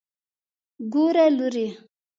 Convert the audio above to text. ګوره لورې.